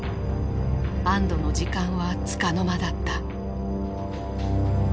安どの時間はつかの間だった。